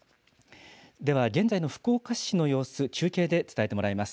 では、現在の福岡市の様子、中継で伝えてもらいます。